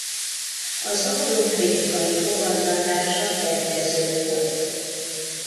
Az album kritikai fogadtatása kedvező volt.